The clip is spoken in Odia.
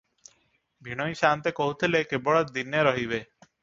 ଭିଣୋଇ ସାଆନ୍ତେ କହୁଥିଲେ, କେବଳ ଦିନେ ରହିବେ ।